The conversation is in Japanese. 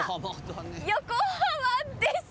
横浜です！